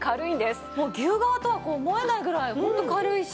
もう牛革とは思えないぐらいホント軽いし。